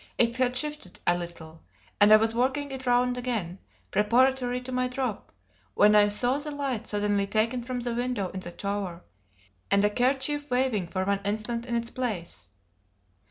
It had shifted a little, and I was working it round again, preparatory to my drop, when I saw the light suddenly taken from the window in the tower, and a kerchief waving for one instant in its place.